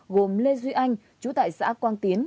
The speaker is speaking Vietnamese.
gồm lê duy anh chú tại xã quang tiến